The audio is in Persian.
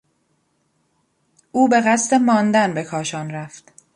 او به قصد ماندن به کاشان رفت.